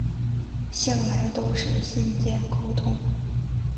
向来都是信件沟通